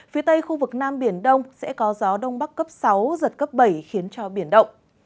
phía tây khu vực nam biển đông sẽ có gió đông bắc cấp sáu giật cấp bảy khiến cho biển động